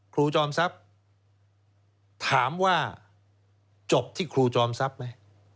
จอมทรัพย์ถามว่าจบที่ครูจอมทรัพย์ไหม